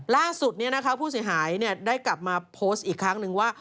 ล่าสุดผู้เสียหายได้กลับมาโพสต์อีกครั้งนึงว่า